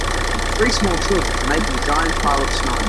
Three small children are making a giant pile of snow.